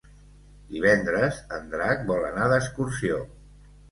Divendres en Drac vol anar d'excursió.